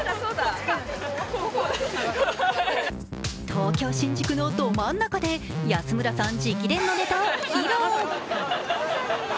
東京・新宿のど真ん中で安村さん直伝のネタを披露。